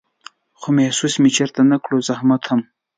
خو محسوس مې چېرته نه کړلو زحمت هم